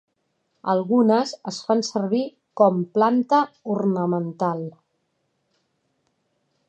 Algunes es fan servir com planta ornamental.